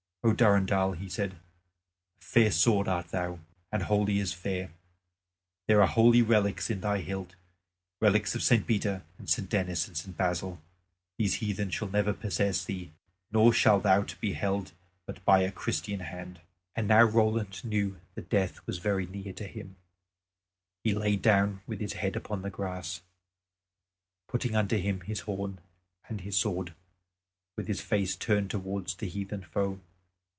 "O Durendal," he said, "a fair sword art thou, and holy as fair. There are holy relics in thy hilt, relics of St. Peter and St. Denis and St. Basil. These heathen shall never possess thee; nor shalt thou be held but by a Christian hand." And now Roland knew that death was very near to him. He laid himself down with his head upon the grass, putting under him his horn and his sword, with his face turned towards the heathen foe.